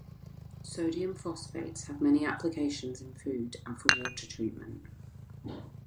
Sodium phosphates have many applications in food and for water treatment.